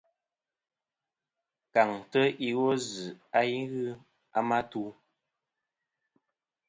Kàŋtɨ iwo zɨ a i ghɨ a ma tu.